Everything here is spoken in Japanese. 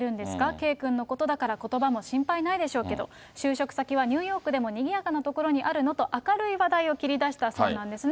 圭君のことだから、ことばも心配ないでしょうけど、就職先はニューヨークでもにぎやかな所にあるの？と明るい話題を切り出したそうなんですね。